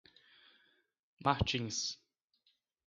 Martins